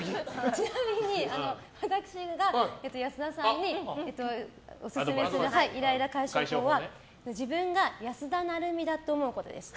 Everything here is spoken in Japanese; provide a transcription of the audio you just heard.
ちなみに、私が安田さんにオススメするイライラ対処法は自分が安田成美だと思うことです。